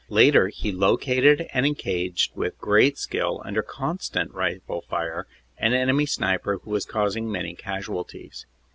Later he located and engaged with great skill, under constant rifle fire, an enemy sniper who was causing many casualties.